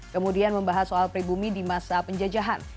kemudian membahas soal pribumi di masa penjajahan